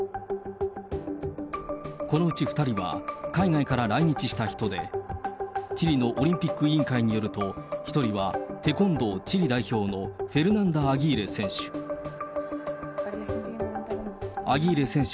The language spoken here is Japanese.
このうち２人は、海外から来日した人で、チリのオリンピック委員会によると、１人は、テコンドーチリ代表のフェルナンダ・アギーレ選手。